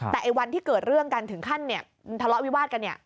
แต่ไอ้วันที่เกิดเรื่องกันถึงขั้นทะเลาะวิวาสกันเนี่ย